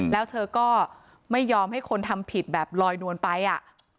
แล้วเธอก็ไม่ยอมให้คนทำผิดแบบลอยนวลไปอ่ะ